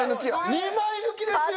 ２枚抜きですよ！